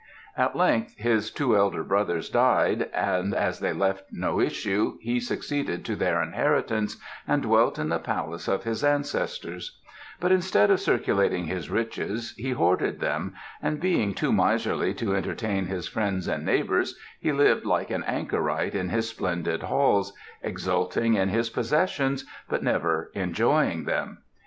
"At length, his two elder brothers died, and as they left no issue he succeeded to their inheritance, and dwelt in the palace of his ancestors; but instead of circulating his riches he hoarded them; and being too miserly to entertain his friends and neighbours, he lived like an anchorite in his splendid halls, exulting in his possessions but never enjoying them.